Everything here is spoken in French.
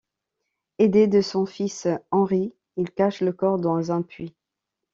Aidé de son fils, Henry, il cache le corps dans un puits.